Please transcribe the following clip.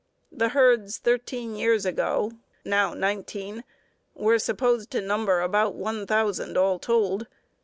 The herds thirteen years ago [now nineteen] were supposed to number about one thousand, all told.